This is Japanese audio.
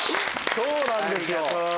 そうなんですよ。